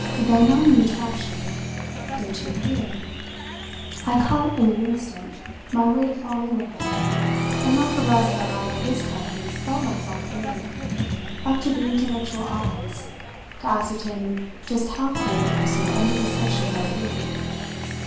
"They're not an attraction. They're too queer." I caught in an instant my way to fall in with him; and not the less that I by this time felt myself committed, up to the intellectual eyes, to ascertaining just how queer the person under discussion might be.